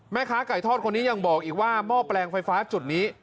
แม่ค้าไก่ทอดคนนี้ยังบอกอีกว่าหม้อแปลงไฟฟ้าจุดนี้